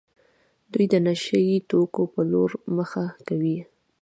دوی د نشه يي توکو په لور مخه کوي.